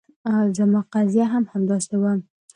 زما قضیه هم همداسې وه.